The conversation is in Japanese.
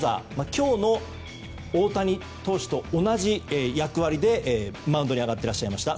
今日の大谷投手と同じ役割でマウンドに上がっていらっしゃいました。